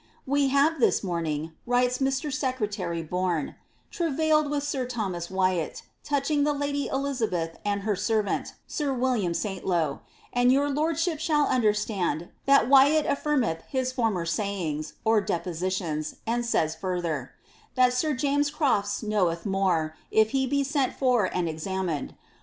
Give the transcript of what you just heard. ^ We have this morning," writes Mr. Secretary Bourne, ^ travailed with sir Thomas Wyat, touching the lady Elizabeth and her servant, sir William Saintlow ; and your lordship shall understand that Wyat affim^ eth his former sayings ^depositions), and says further, that sir James Crofls knoweth more, it he be sent for and examined.